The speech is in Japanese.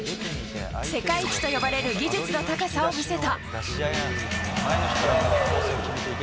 世界一と呼ばれる技術の高さを見せた。